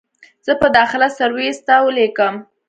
زه به داخله سرويس ته وليکم.